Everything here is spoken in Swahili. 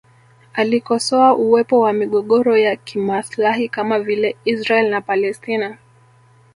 Alikosoa uwepo wa migogoro ya kimaslahi kama vile Israel na Palestina